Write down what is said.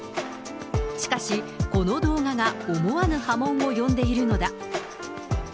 しかし、この動画が思わぬ波紋を呼んでいるのだ。